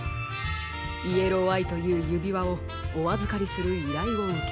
イエローアイというゆびわをおあずかりするいらいをうけました。